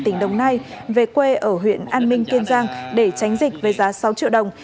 tỉnh đồng nai về quê ở huyện an minh kiên giang để tránh dịch với giá sáu triệu đồng